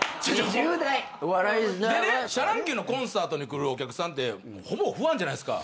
シャ乱Ｑのコンサートに来るお客さんってほぼファンじゃないっすか。